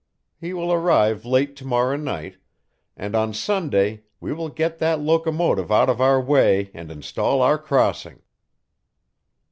He will arrive late to morrow night, and on Sunday we will get that locomotive out of our way and install our crossing."